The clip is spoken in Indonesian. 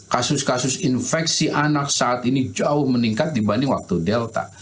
kasus kasus infeksi anak saat ini jauh meningkat dibanding waktu delta